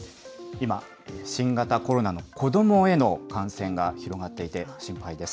今、新型コロナの子どもへの感染が広がっていて心配です。